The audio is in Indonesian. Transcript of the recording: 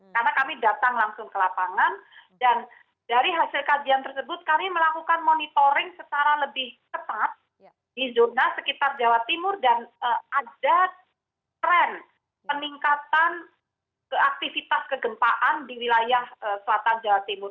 karena kami datang langsung ke lapangan dan dari hasil kajian tersebut kami melakukan monitoring secara lebih cepat di zona sekitar jawa timur dan ada tren peningkatan aktivitas kegempaan di wilayah selatan jawa timur